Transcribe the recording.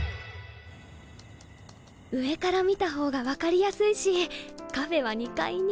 上から見た方が分かりやすいしカフェは２階に。